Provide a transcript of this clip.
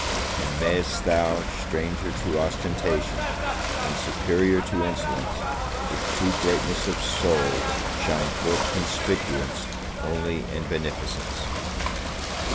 And may'st thou, stranger to ostentation, and superior to insolence, with true greatness of soul shine forth conspicuous only in beneficence!